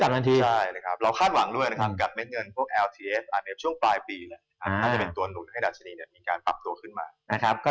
มีการปรับตัวขึ้นมา